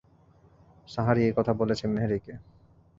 সাহারি এই কথা বলেছে মেহরিকে।